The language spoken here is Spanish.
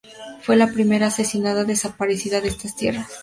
Fue la primera asesinada-desaparecida de estas tierras.